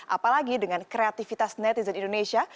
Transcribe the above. apalagi dengan kreativitas netizen indonesia